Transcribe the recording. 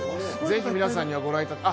ぜひ皆さんにご覧いただきたい。